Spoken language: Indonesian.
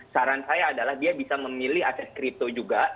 saran saya adalah dia bisa memilih aset kripto juga